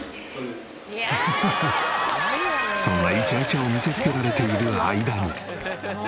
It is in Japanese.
そんなイチャイチャを見せつけられている間に。